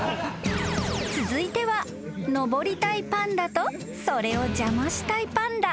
［続いては登りたいパンダとそれを邪魔したいパンダ］